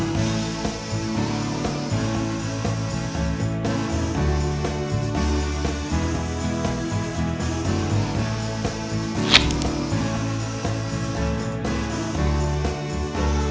เรียนอย่าแพ้แพ้อย่าบ่อย